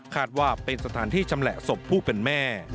ว่าเป็นสถานที่ชำแหละศพผู้เป็นแม่